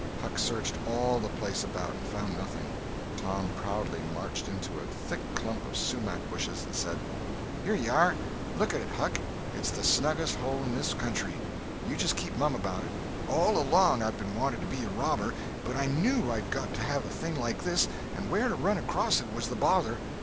Huck searched all the place about, and found nothing. Tom proudly marched into a thick clump of sumach bushes and said: "Here you are! Look at it, Huck; it's the snuggest hole in this country. You just keep mum about it. All along I've been wanting to be a robber, but I knew I'd got to have a thing like this, and where to run across it was the bother.